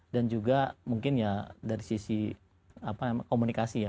dan juga mungkin ya dari sisi komunikasi ya